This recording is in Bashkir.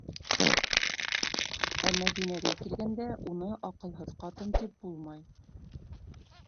Ә Мәҙинәгә килгәндә, уны «аҡылһыҙ ҡатын» тип булмай.